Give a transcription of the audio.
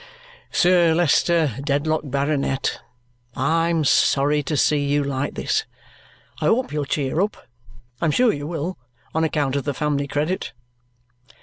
"Sir Leicester Dedlock, Baronet, I'm sorry to see you like this. I hope you'll cheer up. I'm sure you will, on account of the family credit."